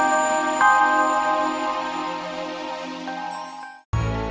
ya kayaknya gue cuma pertanyaan hoorat